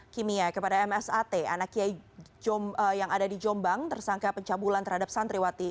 kepada msat anak kiai yang ada di jombang tersangka pecah bulan terhadap santriwati